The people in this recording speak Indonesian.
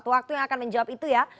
waktu yang akan menjawab itu ya